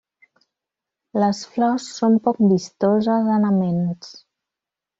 Les flors són poc vistoses en aments.